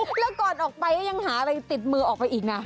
แล้วก่อนออกไปก็ยังหาอะไรติดมือออกไปอีกนะ